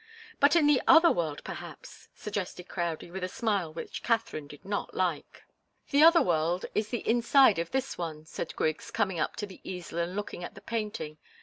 "But in the other world, perhaps," suggested Crowdie, with a smile which Katharine did not like. "The other world is the inside of this one," said Griggs, coming up to the easel and looking at the painting.